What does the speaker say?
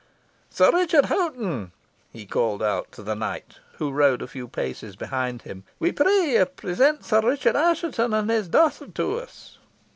Sir Richard Hoghton," he called out to the knight, who rode a few paces behind him, "we pray you present Sir Richard Assheton and his daughter to us."